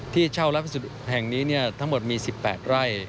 ที่เช่ารับแห่งนี้ทั้งหมดมี๑๘ไร่